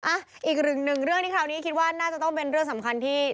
อ่ะอีกหนึ่งเรื่องที่คราวนี้คิดว่าน่าจะต้องเป็นเรื่องสำคัญที่